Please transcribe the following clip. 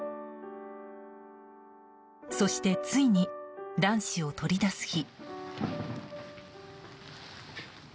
そして、ついに卵子を取り出す日。